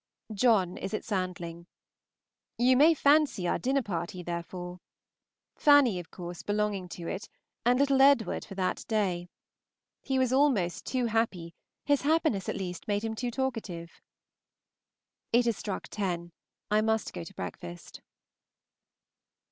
John is at Sandling. You may fancy our dinner party therefore; Fanny, of course, belonging to it, and little Edward, for that day. He was almost too happy, his happiness at least made him too talkative. It has struck ten; I must go to breakfast.